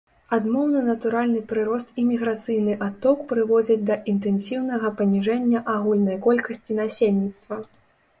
Адмоўны натуральны прырост і міграцыйны адток прыводзяць да інтэнсіўнага паніжэння агульнай колькасці насельніцтва.